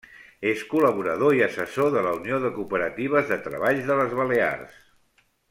És col·laborador i assessor de la Unió de Cooperatives de Treball de les Balears.